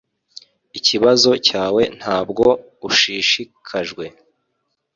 Ikibazo cyawe ntabwo ushishikajwe.